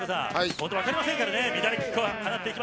本当、分かりませんからね。